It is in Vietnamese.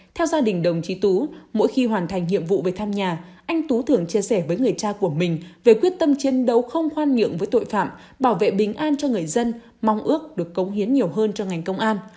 theo gia đình đồng chí tú mỗi khi hoàn thành nhiệm vụ về thăm nhà anh tú thường chia sẻ với người cha của mình về quyết tâm chiến đấu không khoan nhượng với tội phạm bảo vệ bình an cho người dân mong ước được cống hiến nhiều hơn cho ngành công an